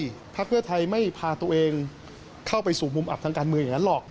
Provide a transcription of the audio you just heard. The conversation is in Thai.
พักเพื่อไทยไม่พาตัวเองเข้าไปสู่มุมอับทางการเมืองอย่างนั้นหรอก